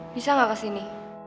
bisa gak kesini